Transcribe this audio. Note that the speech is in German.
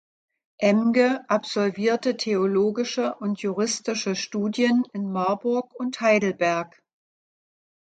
Emge absolvierte theologische und juristische Studien in Marburg und Heidelberg.